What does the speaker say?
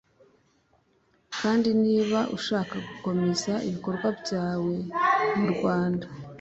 kandi niba ushaka gukomeza ibikorwa byawe mu Rwanda